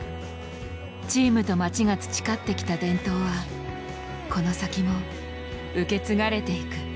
チームと町が培ってきた伝統はこの先も受け継がれていく。